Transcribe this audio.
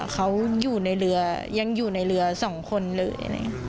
เขาอยู่ในเรือยังอยู่ในเรือ๒คนเลย